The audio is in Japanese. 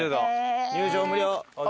入場無料。